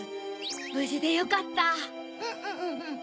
ぶじでよかった。